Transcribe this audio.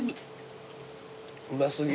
うま過ぎ。